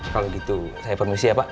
kalau gitu saya permisi ya pak